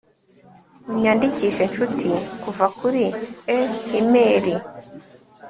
unyandikishe, nshuti, kuva kuri e-imeri